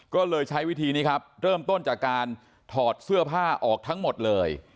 ก็เลยใช้วิธีนี้ครับเริ่มต้นจากการถอดเสื้อผ้าออกทั้งหมดเลย